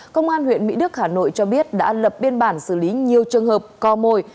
công an huyện mỹ đức hà nội cho biết đã lập biên bản xử lý nhiều trường hợp co mồi